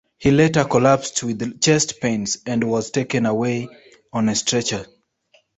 He later collapsed with chest pains and was taken away on a stretcher.